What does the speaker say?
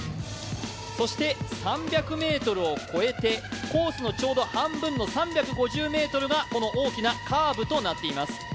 そして３００ｍを越えて、コースのちょうど半分の３５０ｍがこの大きなカーブとなっています